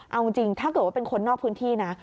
เอาจริงถ้าเกิดว่าเป็นคนนอกพื้นที่นะ